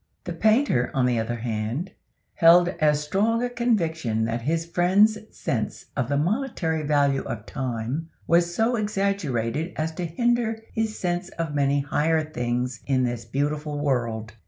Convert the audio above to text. The painter, on the other hand, held as strong a conviction that his friend's sense of the monetary value of time was so exaggerated as to hinder his sense of many higher things in this beautiful world.